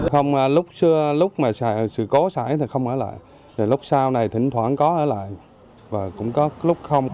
không lúc xưa lúc mà sự cố xảy không ở lại lúc sau này thỉnh thoảng có ở lại và cũng có lúc không